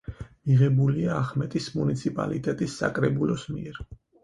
მიღებულია ახმეტის მუნიციპალიტეტის საკრებულოს მიერ.